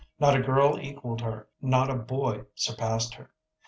Not a girl equalled her, not a boy surpassed her.